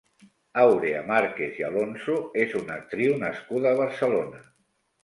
Àurea Márquez i Alonso és una actriu nascuda a Barcelona.